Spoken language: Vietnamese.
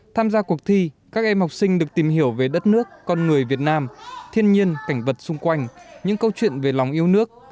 tham gia cuộc thi các em học sinh được tìm hiểu về đất nước con người việt nam thiên nhiên cảnh vật xung quanh những câu chuyện về lòng yêu nước